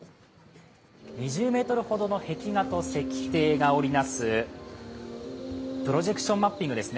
２０ｍほどの壁画と石庭が織りなすプロジェクションマッピングです。